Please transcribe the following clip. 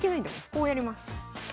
こうやります。